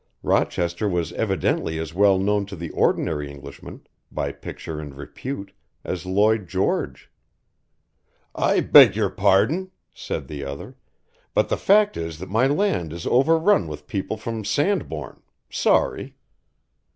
Rochester was evidently as well known to the ordinary Englishman, by picture and repute, as Lloyd George. "I beg your pardon," said the other, "but the fact is that my land is over run with people from Sandbourne sorry."